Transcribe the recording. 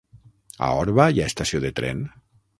A Orba hi ha estació de tren?